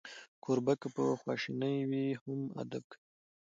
کوربه که په خواشینۍ وي، هم ادب کوي.